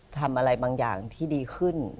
ทำอะไรบางอย่างที่ดีขึ้น